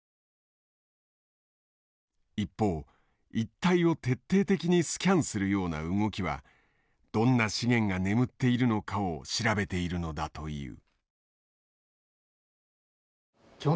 一方一帯を徹底的にスキャンするような動きはどんな資源が眠っているのかを調べているのだという。